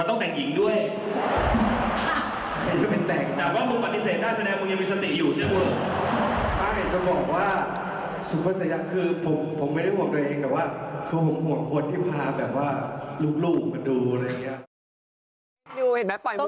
บอกเลยนะครับดีขึ้นแล้ว